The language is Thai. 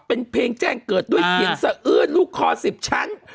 เป็นเพลงแจ้งเกิดด้วยเสียงสะอื้นลูกคอ๑๐ชั้น